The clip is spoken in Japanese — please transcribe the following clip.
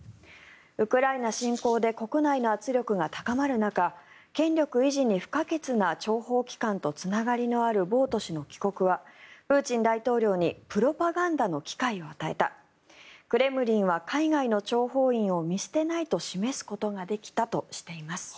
ウクライナ侵攻で国内の圧力が高まる中権力維持に不可欠な諜報機関とつながりのあるボウト氏の帰国はプーチン大統領にプロパガンダの機会を与えたクレムリンは海外の諜報員を見捨てないと示すことができたとしています。